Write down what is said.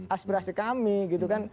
aspirasi kami gitu kan